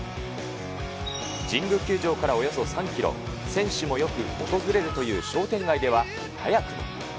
神宮球場からおよそ３キロ、選手もよく訪れるという商店街では早くも。